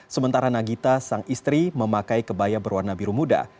sementara nagita sang istri memakai kebaya berwarna biru muda